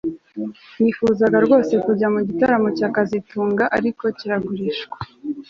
Nifuzaga rwose kujya mu gitaramo cya kazitunga ariko kiragurishwa